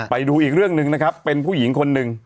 ไปดูอีกเรื่องหนึ่งนะครับเป็นผู้หญิงคนหนึ่ง